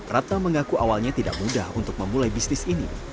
ratna mengaku awalnya tidak mudah untuk memulai bisnis ini